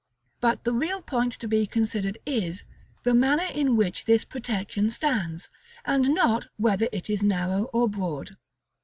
But the real point to be considered is, the manner in which this protection stands, and not whether it is narrow or broad.